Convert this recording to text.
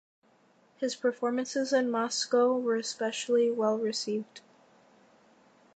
His performances in Moscow were especially well received.